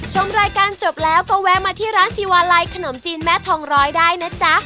ชมรายการจบแล้วก็แวะมาที่ร้านชีวาลัยขนมจีนแม่ทองร้อยได้นะจ๊ะ